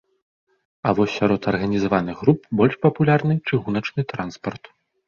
А вось сярод арганізаваных груп больш папулярны чыгуначны транспарт.